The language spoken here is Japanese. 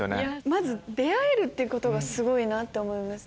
まず出会えるっていうことがすごいなって思います。